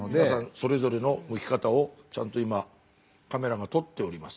それぞれのむき方をちゃんと今カメラが撮っております。